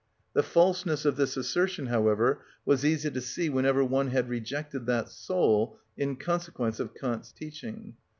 The falseness of this assertion, however, was easy to see whenever one had rejected that soul in consequence of Kant's teaching.